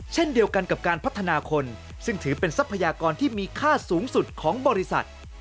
เช่นเดียวกันกับการพัฒนาคนซึ่งถือเป็นทรัพยากรที่มีค่าสูงสุดของบริษัท